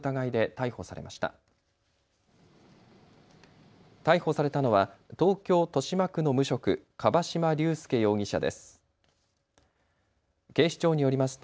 逮捕されたのは東京豊島区の無職、樺島隆介容疑者です。